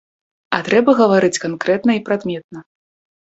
А трэба гаварыць канкрэтна і прадметна!